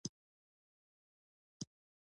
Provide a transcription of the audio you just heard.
موزیک د جشن زړه دی.